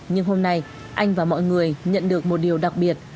nhưng hôm nay anh và mọi người nhận được một điều đặc biệt